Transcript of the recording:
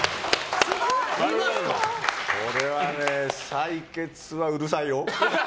俺はね、採血はうるさいよ。